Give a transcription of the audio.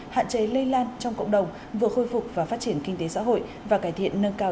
hạn chế lây lan trong cộng đồng vừa khôi phục và phát triển kinh tế xã hội và cải thiện nâng cao